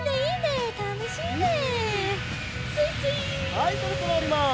はいそろそろおります。